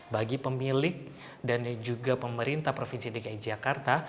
bagi pemilik dan juga pemerintah provinsi dki jakarta